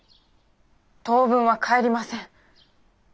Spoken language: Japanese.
当分は帰りません。